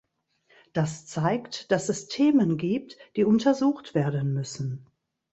Das zeigt, dass es Themen gibt, die untersucht werden müssen.